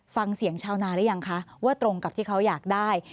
ฟังเสียงชาวนาหรือยังคะว่าตรงกับที่เขาอยากได้